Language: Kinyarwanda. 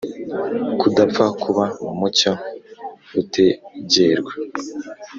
kudapfa k uba mu mucyo utegerwa